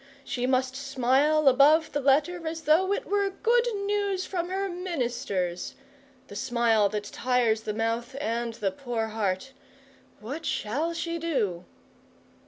She must smile above the letter as though it were good news from her ministers the smile that tires the mouth and the poor heart. What shall she do?